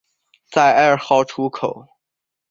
在二号出口